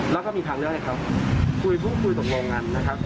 แล้วก็มีทางเลือกให้เขาคุยพูดคุยตกลงกันนะครับ